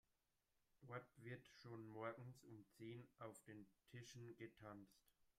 Dort wird schon morgens um zehn auf den Tischen getanzt.